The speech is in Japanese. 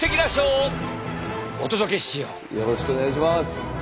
よろしくお願いします！